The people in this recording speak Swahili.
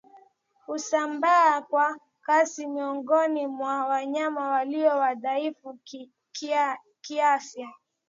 Husambaa kwa kasi miongoni mwa wanyama walio wadhaifu kiafya